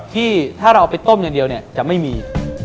ที่ถ้าเราเอาไปต้มอย่างเดียวจะไม่มี